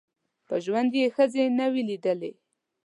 په ژوند یې ښځي نه وې لیدلي